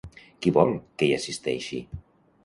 Qui vol que hi assisteixi?